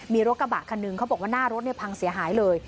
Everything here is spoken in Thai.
มีรถกระบะคันหนึ่งเขาบอกว่าหน้ารถพังเสียหายเลย